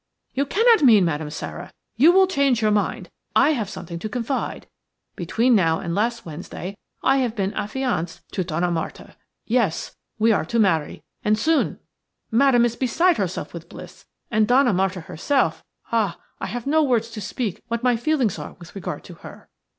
"You cannot mean Madame Sara – you will change your mind – I have something to confide. Between now and last Wednesday I have been affianced to Donna Marta. Yes, we are to marry, and soon. Madame is beside herself with bliss, and Donna Marta herself — Ah, I have no words to speak what my feelings are with regard to her.